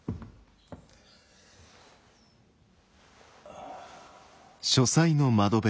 ああ。